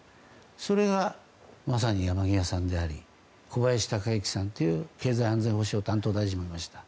それがまさに山際さんであり小林鷹之さんという経済安全保障担当大臣までした。